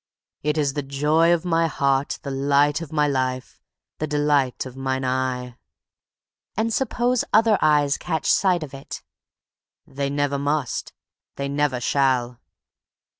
"It is the joy of my heart, the light of my life, the delight of mine eye." "And suppose other eyes catch sight of it?" "They never must; they never shall."